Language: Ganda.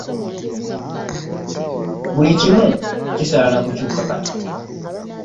Buli kimu kisaana kukyuka kati.